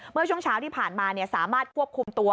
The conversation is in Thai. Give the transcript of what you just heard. เมื่อช่วงเช้าที่ผ่านมาสามารถควบคุมตัว